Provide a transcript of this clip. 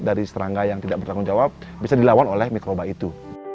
dari serangga yang tidak bertanggung jawab bisa dilawan oleh mikroba itu